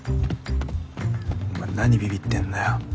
お前何びびってんだよ